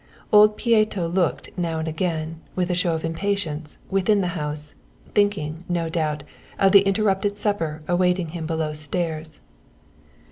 Old Pieto looked now and again, with a show of impatience, within the house, thinking, no doubt, of the interrupted supper awaiting him below stairs.